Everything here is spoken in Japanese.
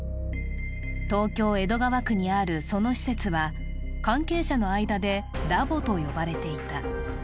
東京・江戸川区にあるその施設は、関係者の間でラボと呼ばれていた。